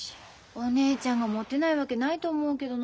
お姉ちゃんがもてないわけないと思うけどな。